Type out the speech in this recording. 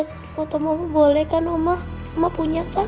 aku mau liat foto mama boleh kan oma mama punya kan